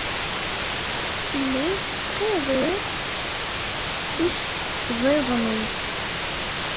Tellid tettxiḍid iceḍḍiḍen-nnek.